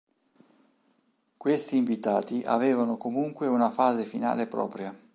Questi invitati avevano comunque una fase finale propria.